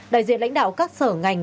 đại diện lãnh đạo các sở ngành